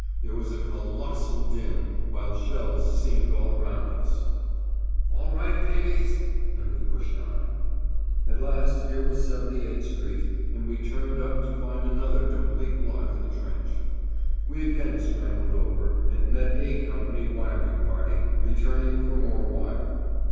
There was a colossal din while shells seemed all round us. "All right, Davies?" And we pushed on. At last here was 78 Street, and we turned up to find another complete block in the trench. We again scrambled over, and met "A" Company wiring party, returning for more wire.